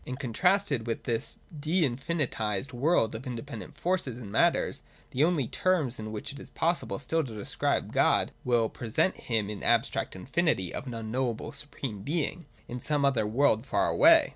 And contrasted with this de infinitised world of independent forces and matters, the only terms in which it is possible still to describe God will pre sent Him in the abstract infinity of an unknowable supreme Being in some other world far away.